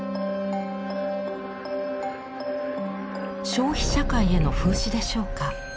消費社会への風刺でしょうか。